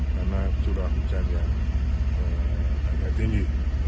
karena curah hujan yang agak tinggi